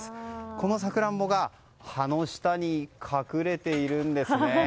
このサクランボが葉の下に隠れているんですね。